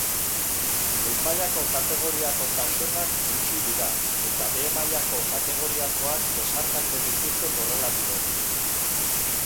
Goi-mailako kategoriako taxonak gutxi dira, eta behe-mailako kategoriakoak besarkatzen dituzte korrelatiboki.